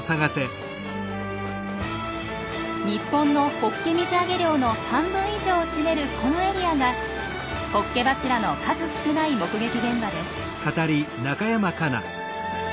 日本のホッケ水揚げ量の半分以上を占めるこのエリアがホッケ柱の数少ない目撃現場です。